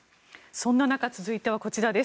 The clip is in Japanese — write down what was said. そんな中続いてはこちらです。